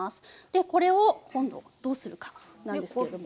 でこれを今度どうするかなんですけれども。